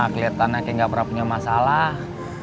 kelihatan aja nggak berapa punya masalah